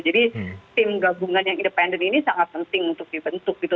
jadi tim gabungan yang independen ini sangat penting untuk dibentuk gitu